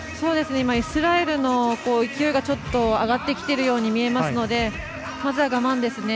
イスラエルの勢いがちょっと上がってきているように見えますのでまずは我慢ですね。